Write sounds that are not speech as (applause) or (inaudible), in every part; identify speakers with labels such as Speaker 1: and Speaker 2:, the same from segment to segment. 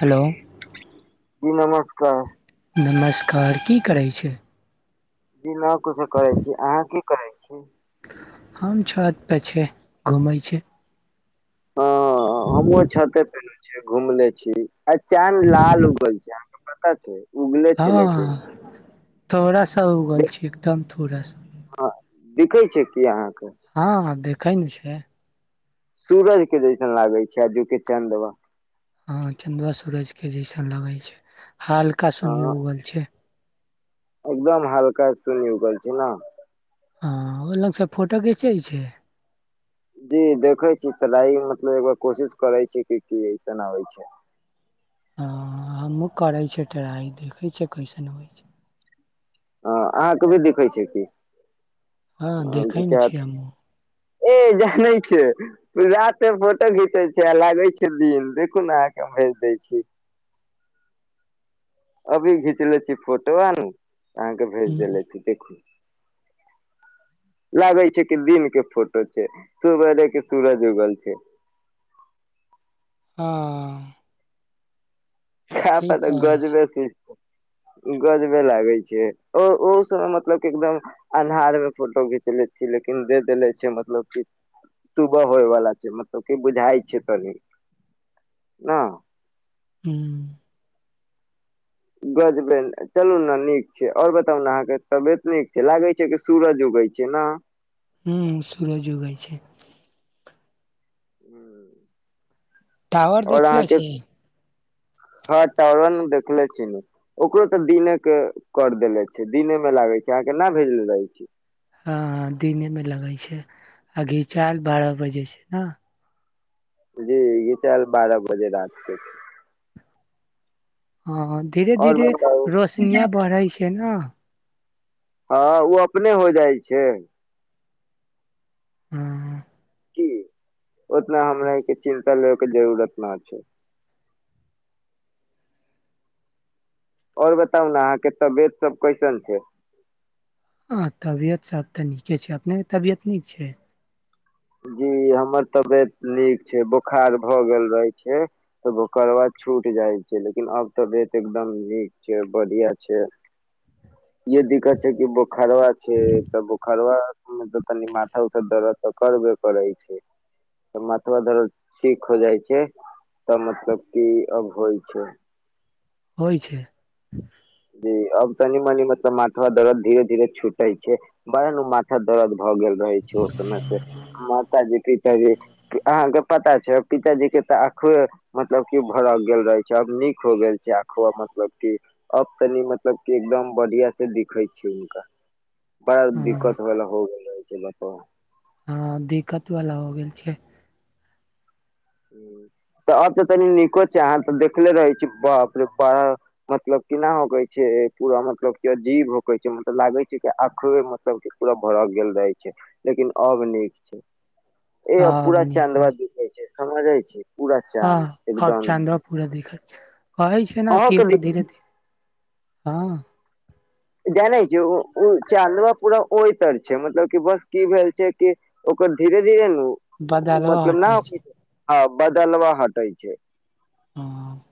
Speaker 1: Hello.
Speaker 2: जी नमस्कार।
Speaker 1: नमस्कार, की करै छै।
Speaker 2: जी ना कुछो करै छी, अहाँ की करै छी।
Speaker 1: हम छत पे छी, घूमै छी।
Speaker 2: ह हम छते पर छी घुमले छी, आई चांद लाल उगल छै। पता छै? उगले छै लेकिन
Speaker 1: हँ थोड़ा सा उगल छै, एकदम थोड़ा सा।
Speaker 2: हँ, दिखै छै कि अहाँके।
Speaker 1: हँ देखै ने छै।
Speaker 2: सूरज के जैसन लागे छै आजू के चंदमा।
Speaker 1: अ चंद्रा सूरज के जैसन लगे छै हल्का
Speaker 2: अ
Speaker 1: सुनियो उगल छै।
Speaker 2: एकदम हल्का सुनी उगल छै ने।
Speaker 1: हँ ओ लगसँ फोटो घिचै छै।
Speaker 2: जी देखे छी टराई मतलब एगो कोशिश करे छी की ऐसन आबै छै।
Speaker 1: ह हमहूँ करय छिये त हैते देखे छीये कैसन होइ छै
Speaker 2: ह आहाँ के भी देखै छीये कि,
Speaker 1: हँ
Speaker 2: ह
Speaker 1: देखै ने छियै
Speaker 2: घीचेत।
Speaker 1: हमहुँ
Speaker 2: ए जाने छै। रात फोटो घीचे छै आ लागैत छै दिन, देखु न अहाँके हम भेज दै छी। अभी घीचलै छि फोटो आ न। आहाँ के भेज
Speaker 1: हुँ
Speaker 2: देेले छि देखु। लागै छै कि दिन के फोटो छै, सुबहरे के सूरज उगल छै।
Speaker 1: हा।
Speaker 2: खे पर
Speaker 1: ठीक
Speaker 2: त
Speaker 1: अछि
Speaker 2: गजबे (unintelligible) गजबे लागै छै, ओ ओहु स मतलब कि एकदम अन्हार मे फोटो घिचले छी लेकिन दे देेले छै मतलब कि सुबह होयवला छै, मतलब कि बुझाइ छै तनी न।
Speaker 1: हू।
Speaker 2: गजबै चलू न नीक छै। और बताउ न अहाँके तबियत नीक छै? लागे छै कियेकि सूरज उगैय छै न।
Speaker 1: हु सूरज उगैय छै।
Speaker 2: (unintelligible)
Speaker 1: टावर
Speaker 2: और
Speaker 1: देखले
Speaker 2: अहाँके
Speaker 1: छी
Speaker 2: हँ टावन देखले छी। ओकरो तऽ दिने के कर देेले छै, दिने में लागे छै। अहाँकेना भेजले रहै छी?
Speaker 1: ह दिनेमे लगै छै, आ घीचार बारह बजे छै न।
Speaker 2: जी गीचाल बारह बजे रात के।
Speaker 1: हँ धीरे-
Speaker 2: आओर
Speaker 1: धीरे
Speaker 2: बताउ
Speaker 1: रोशनिया बढ़ै छै न।
Speaker 2: हँ, ओ अपने हो जाइ छै।
Speaker 1: (unintelligible)
Speaker 2: की? ओतना हमरा के चिन्ता लेब के जरूुरत न छै। और बताउ न अहाँके तबियत सब कैसन छै?
Speaker 1: अहा तबियत सब तऽ नीके छै। अपनेके तबियत नीक छै?
Speaker 2: जी हमर तबियत नीक छै। बोखार भ गेल रहे छै। त बोखरबा छूट जाय छै, लेकिन आब तबियत एकदम नीक छै, बढ़िया छै। (inaudible) यदि खचे कि बोखारवा छै, तऽ बोखारवा मे तऽ कनी माथा उथा दरद करबे करै छै। त माथबा दरद ठीक हो जाइ छै। तब मतलब कि अब होइ छै।
Speaker 1: हौइ छै।
Speaker 2: जी अब तनी - मनी मतलब माथा दरद धीरे - धीरे छूटे छै। ब (unintelligible) था दर्द भऽ गेल रहे छो। समय से माथा जे कि अहाँके पता छै? पिताजी के तऽ आंखों मतलब कि भरक गेल रहे छै। आब नीक हो गेल छै आखवा मतलब ठीक अब तनि मतलब कि एकदम बढ़िया से दिखे छी हुनका। बड़ा
Speaker 1: हँ
Speaker 2: दिक्कत भेल हो गेल रहे छै ना।
Speaker 1: हँ दिक्कत वाला हो गेल छै।
Speaker 2: तऽ आब तऽ तनी नीको छै, अहाँ तऽ देखले रहै छी। बापरेबा मतलब केना होकै छै, पूरा मतलब के अजीब होैकै छै, मतलब लागे छै के अखबे मतलब पूरा भरा गेल रहै छै, लेकिन अब नीक छै। ए
Speaker 1: हँ अब
Speaker 2: पूरा
Speaker 1: नीक हो
Speaker 2: चाँदवा दिैखै छै समझे छै पूरा
Speaker 1: हँ
Speaker 2: चाँद
Speaker 1: अब
Speaker 2: एकदम।
Speaker 1: चाँदवा पूरा देखैइ कहै छै ने
Speaker 2: अहूँ
Speaker 1: कि
Speaker 2: के
Speaker 1: ओकर
Speaker 2: दिख
Speaker 1: धीरे- धीरे हँ।
Speaker 2: जानै छै ओ-ओ चाँदवा पूरा ओहि तर छै मतलब कि बस की भेल छै कि। ओकर धीरे -धीरे नू- ओ
Speaker 1: बदलवा
Speaker 2: मतलब ना
Speaker 1: हटै छै
Speaker 2: होय हँ बदला हटेै छै।
Speaker 1: हँ।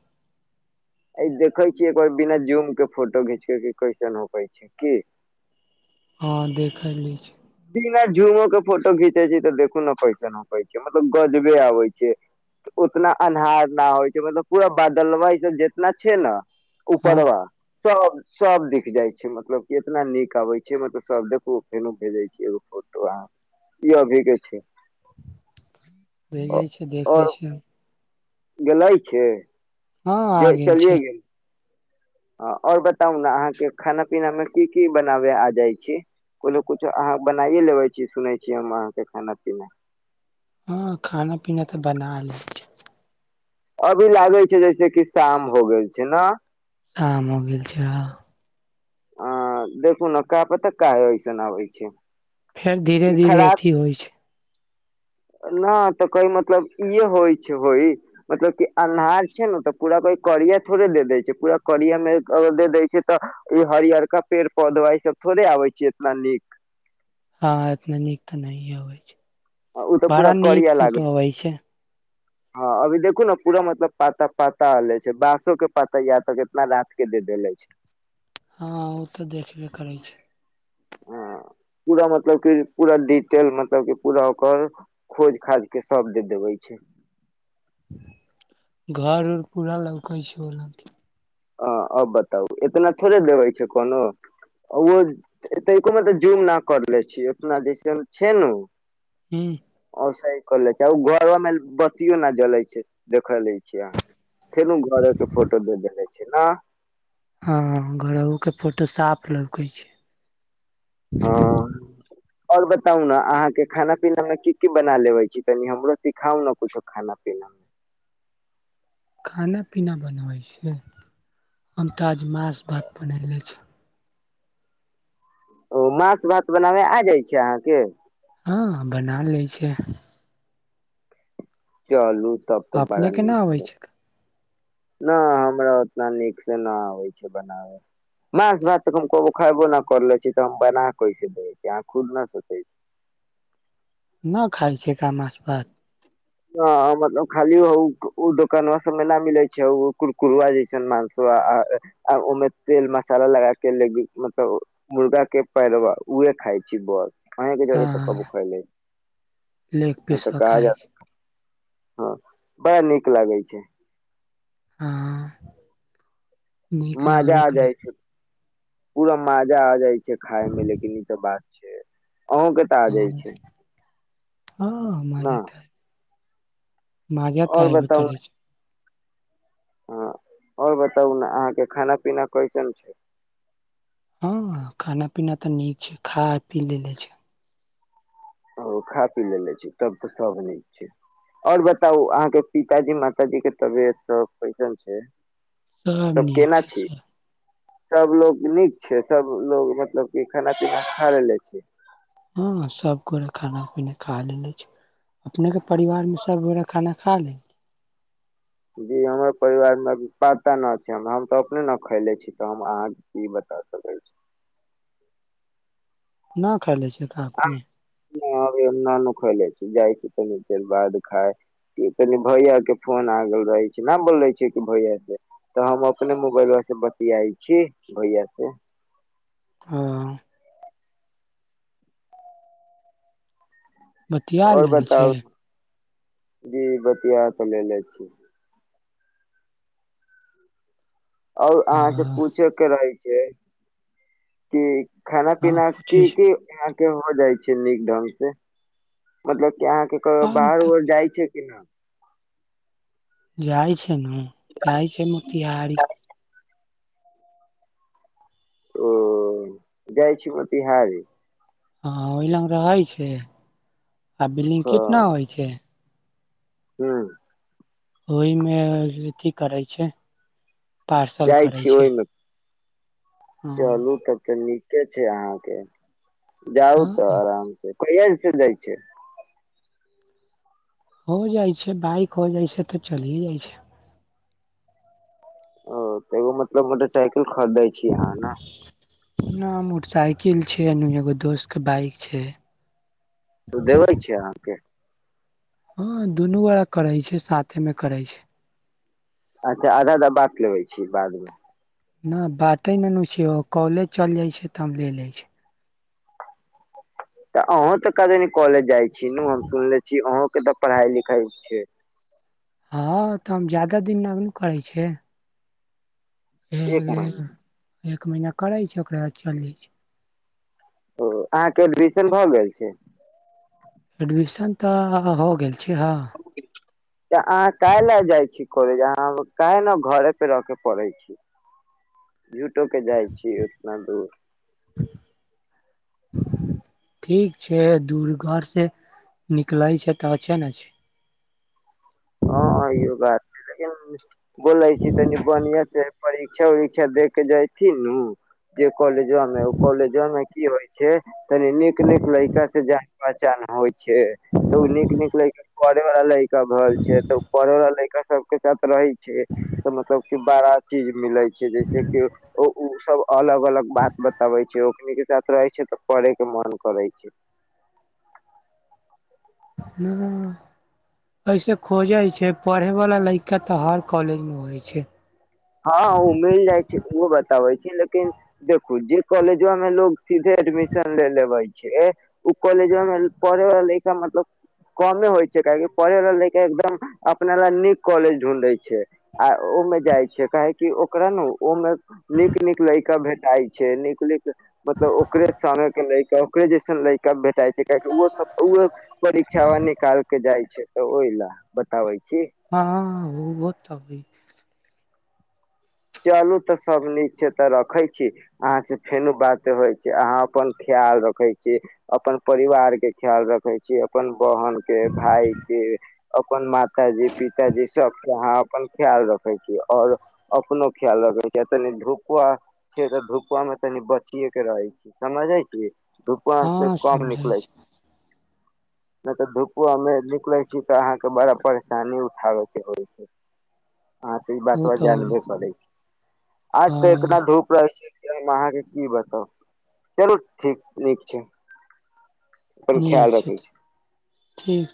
Speaker 2: अइ देखेै छियै कोय बिना जूम के फोटो घिचके के की कैसन- (unintelligible) न हो पै छै की।
Speaker 1: हँ देखल लै छै।
Speaker 2: बिना जूमो के फोटो घीचेै छै तऽ देखू ने कैसन होैकै छै मतलब गजबे आबै छै। उतना अन्हार न होय छै मतलब पूरा बदलवा ई सब जेतना छै नऽ।
Speaker 1: हँ
Speaker 2: उपरवा सब -सब दिक जाय छै मतलब की एतना नीक आबै छै मतलब सब देखु फेनो भेजे छै एगो फोटो आहाँ। ई अभी के छै।
Speaker 1: भेजै छै देखै छै।
Speaker 2: गेलै छै?
Speaker 1: हँ आ गेल छै।
Speaker 2: हँ और बताउ ने आहाँ के खाना पीना मे की- की बनाबे आ जाइ छी? कोनो कुछो आहाँ बनाइये लेबे छी सुनेै छी हम आहाँ के खाना -पीना?
Speaker 1: हँ खाना पीना तऽ बनालै।
Speaker 2: अभी लागे छै जैसे कि शाम हो गेल छै नऽ?
Speaker 1: शाम हो गेल छै हँ।
Speaker 2: अं देखू नऽ का पता काहे एसन आबै छै।
Speaker 1: फेर धीरे
Speaker 2: ई
Speaker 1: -धीरे अथि होय छै।
Speaker 2: ना तकै मतलब ई होय छै होई। मतलब की अन्हार छै न तऽ पूरा कोई करिया थोड़े दे दै छै पूरा करिया मेघ अगर दे दै छै। तऽ ई हरियरका पेड़ पौधवा ई सब थोड़े आबे छीयै इतना नीक।
Speaker 1: हँ एतना नीक तऽ नहि ए आबै छै
Speaker 2: ओ तऽ पूरा
Speaker 1: बड़ा निक
Speaker 2: करिया लागे
Speaker 1: फोटो अबै छै।
Speaker 2: हँ अभी देखू न पूरा मतलब पाता- पाता एले छै बाँसो के पाता या तक केितना रात के दे देले छै।
Speaker 1: हँ ओ तऽ देखबे करै छै।
Speaker 2: हँ पूरा मतलब की पूरा डिटेल मतलब की पूरा ओकर। खोज -खोज के सब दे देबे छै।
Speaker 1: घर उर पूरा लौकै छै (unintelligible)
Speaker 2: हँ अब बताबू एतना थोड़े देबै छै कोनो। ओहो एते (unintelligible) जुम न करले छै उतना जैसे छै ने उ-
Speaker 1: हूँ।
Speaker 2: ओ सही करले छै आ घरो मे बत्तियो न जले छै देखलइ। छी आहाँ फेरो घरे के फोटो दे देने छै ना-
Speaker 1: हँ, हँ घरहु के फोटो साफ लौकै छै।
Speaker 2: हँ। और बताउ न आहाँके खाना पीना मे की की बना लेबे छी तनि हमरो सिखाउ ने कुछो खाना पीना।
Speaker 1: खाना पीना बनबै छियै हम तऽ आज माँस भात बनेैने छी।
Speaker 2: ओ माँस भात बनाबे आ जाय छै आहाँके?
Speaker 1: हँ बना लै छैयै।
Speaker 2: चलू तब तऽ
Speaker 1: अपने
Speaker 2: बड़ा
Speaker 1: के ना
Speaker 2: नीक
Speaker 1: अबै
Speaker 2: छैय।
Speaker 1: छै
Speaker 2: न हमरा ओतना नीक से न आबे छै बनावे। माछ भात तऽ कहो खबो न करले छी तऽ हम बना कैसे देब अहाँ खुद न सोेचे छी।
Speaker 1: नहि खाइ छैय का माछ भात।
Speaker 2: ह मतलब खाली उ दोकान सब मे न मिलै छैय कुरकुरुआ जइ छैय मांस ओहिमे तेल मसाला लगा के ले मतलब मुर्गा के पैरवा उह खाइ छी बस। अहींके
Speaker 1: हँ
Speaker 2: जरे कभु खइले छी
Speaker 1: लेग पीस
Speaker 2: नहि तऽ कहा
Speaker 1: खाइ
Speaker 2: जा
Speaker 1: छै
Speaker 2: हँ बड़ा नीक लागै छैय।
Speaker 1: हँ। नीक
Speaker 2: मजा
Speaker 1: लगबे
Speaker 2: आ
Speaker 1: करै
Speaker 2: जाइ छैय। पूरा मजा आ जाइ छैय खाय मे लेकिन ई तऽ बात छैय अहूँं के कहा जाइ
Speaker 1: हँ
Speaker 2: छैय।
Speaker 1: हँ मानेत है। माजा
Speaker 2: आओर
Speaker 1: तऽ एबे
Speaker 2: बताउ
Speaker 1: करै छैय।
Speaker 2: ह आओर बताउ ने अहाँके खाना पीना कैसन छैय?
Speaker 1: हँ खाना पीना तऽ नीक छैय खा पी लेले छैय।
Speaker 2: ओ खा पी लेलेे छी तब तऽ सब नीक छैय। आओर बताउ अहाँके पिताजी माताजी के तबियत सब कैसन छैय।
Speaker 1: सब
Speaker 2: तऽ
Speaker 1: नीक
Speaker 2: केना
Speaker 1: छै
Speaker 2: छी।
Speaker 1: सब
Speaker 2: सब लोग नीक छैय सबलोग मतलब की खाना पीना खा लेले छैय।
Speaker 1: हँ सब गोटे खाना पीना खा लेल छी अपने के परिवारमे सभगोटे खाना खा लै
Speaker 2: जी हमर परिवार मे पाता नहि छैय हम तऽ अपने नहि खैले छी तऽ हम अहाँ की बता सकै छी।
Speaker 1: ना खाइले छी।
Speaker 2: ना- ना खाइले छी जाइ छी तने देर बाद खाय कनि भैया के फोन आगल रहै छैय न बोल रहे छैैय कि भैया के तऽ हम अपने मोबाइलवा से बतियाइ छी भैया से।
Speaker 1: हाँ। बतिया
Speaker 2: आओर
Speaker 1: लेले छै
Speaker 2: बताउ जी बतिया तऽ लेने छी। आओर
Speaker 1: ओ
Speaker 2: अहाँ से पूछे के रहै छैय। की खाना
Speaker 1: हँ
Speaker 2: पीना
Speaker 1: पूछै
Speaker 2: की
Speaker 1: छै
Speaker 2: की के हो जाइ छैय नीक ढंग से मतलब की अहाँके कहियो
Speaker 1: हम
Speaker 2: बाहर
Speaker 1: तऽ
Speaker 2: उहर जाइ छैय कि नहि।
Speaker 1: जाइ छैय ने जाइ छैय मोतिहारी।
Speaker 2: ओ जाइ छी मोतिहारी।
Speaker 1: हँ ओहि लग रहै छैय आ बिलिंग कितना होइ छैय।
Speaker 2: हूं।
Speaker 1: ओहिमे अथी करै छैय पार्सल
Speaker 2: जाइ
Speaker 1: करै
Speaker 2: छी
Speaker 1: छैय।
Speaker 2: ओहिमे चलू तऽ तऽ नीके छैय अहाँके जाउ
Speaker 1: हँ
Speaker 2: तऽ आराम कहिया इंस्टीच्युट जाइ छैय।
Speaker 1: हं जाइ छैय बाइक हो जाइ छैय तऽ चलियए जाइ छैय।
Speaker 2: ओ तैयो मतलब मोटरसाइकिल खरीदै छी अहाँ ने।
Speaker 1: न मोटरसाइकिल छैय एगो दोस्त के बाइक छैय।
Speaker 2: त ऽ देबे छी अहाँके
Speaker 1: हँ दुनू वै करे छै, साथ में करै छै।
Speaker 2: अच्छा आधा -आधा बाँट लेबै छी बाद मे
Speaker 1: न बाटे ने नु छीयो कॉलेज चल जाय छै त हम ले ले छी।
Speaker 2: तऽ अहुँ तऽ कतेनीक कॉलेज जाइ छी नु हम सुनले छी, अहूं के तऽ पढ़ाई लिखाई छे।
Speaker 1: हँ तऽ हम जादा दिन नगनु करै छियै
Speaker 2: एक महीना
Speaker 1: एक महीना करे छै ओकरा बाद चल जैय छै।
Speaker 2: ओ अहाँके एडमिशन भअ गेल छैय।
Speaker 1: एडमिशन तऽ हो गेल छे हँ।
Speaker 2: (unintelligible) त अहाँ काहे ले जाय छी कॉलेज अहाँ काहे ना घरे पे रहके पढ़े छी। झूठोके जाइछी उतना दूर।
Speaker 1: ठीक छै दूरघर से निकलै छै तऽ अच्छे ना छै।
Speaker 2: हँ इहो बात छै, लेकिन बोलै छी तनि बनीयोंसे परीक्षा उरीक्षा दे के जायथिन नु जे कॉलेजवा मे, ओ कॉलेजवा में की हो छै कनी नीक-नीक लैका से जा पहचान होइ छै, तऽ ओ नीक -नीक लयका पड़े वाला लयका घल तऽ पढ़ै वला लयका सबके साथ रहै छै तऽ मतलब के बारा चीज मिलै छै जैसे की त उ सब अलग -अलग बात बताबै छै, ओकनी के साथ रहै छै तऽ पढ़े के मन करै छै।
Speaker 1: नहिद (unintelligible) ऐसे खोजे छै, पढ़े वाला लयका तऽ हर कॉलेज मे होइ छै।
Speaker 2: हँ ओ मिल जाइ छै, ओ बताबै छी लेकिन देखू जे कॉलेजवा में लोग सीधे एडमिशन ले लेबै छै, ओ कॉलेजवा मे पढ़े वाला लयका मतलब कमे होइ छै, काहेकि पढ़े वाला लयका एकदम अपने लए नीक कॉलेज ढूढ़ै छै आ ओमे जाइ छै काहेकी ओकरा न ओ मे नीक -नीक लैका भेटाई छै नीक -नीक मतलब ओकरे सान के लैका ओकरे जैसन लैका भेटाइ छै। काहेकी उहो सब ओ परीक्षा वा निकाल के जाइ छै तऽ ओहि लए बताबै छी।
Speaker 1: हँ उहो त होइ।
Speaker 2: चलू तऽ सब नीक छै तऽ रखै छी। अहाँ से फेनो बात होइ छै, अहाँ अपन ख्याल रखे छी। अपन परिवार के ख्याल रखे छी, अपन बहन के भाय के। अपन माता जी, पिताजी सबके अहाँ अपन ख्याल रखे छी ओर। कोनो ख्याल रखै छै, तनि धुपोआ छीयै तऽ धुपआ मे तनी बचिये के रहै छी, समझै छी। धुपा से
Speaker 1: हँ
Speaker 2: कम
Speaker 1: समझै
Speaker 2: निकलै छी। नै तऽ धुपुआ मे निकलै छी तऽ अहाँके बड़ा परेशानी उठाबे के होइ छै। हँ तऽ ई बात
Speaker 1: छै ओ
Speaker 2: तो
Speaker 1: तऽ
Speaker 2: जानबे करै छी, आज
Speaker 1: हँ
Speaker 2: तऽ इतना धूप रह छै हम अहाँके की बताउ चलू ठीक नीक छै। अपन
Speaker 1: नीक
Speaker 2: ख्याल रखै
Speaker 1: छै
Speaker 2: छी
Speaker 1: तऽ ठीक छै।